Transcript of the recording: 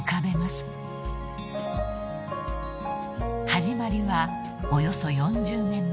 ［始まりはおよそ４０年前］